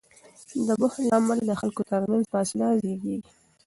د بخل له امله د خلکو تر منځ فاصله زیږیږي.